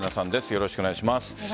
よろしくお願いします。